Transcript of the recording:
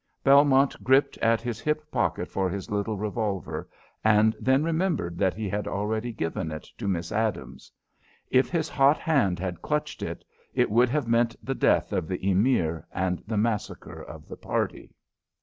Belmont gripped at his hip pocket for his little revolver, and then remembered that he had already given it to Miss Adams. If his hot hand had clutched it, it would have meant the death of the Emir and the massacre of the party.